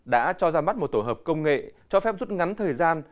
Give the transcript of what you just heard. đã cho ra mắt một tổ hợp công nghệ cho phép rút ngắn thời gian